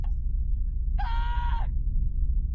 سندرې نوې عصبي شبکې جوړوي.